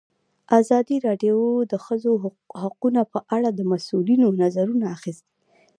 ازادي راډیو د د ښځو حقونه په اړه د مسؤلینو نظرونه اخیستي.